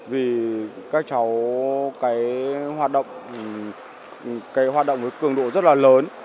vì các cháu hoạt động với cường độ rất là lớn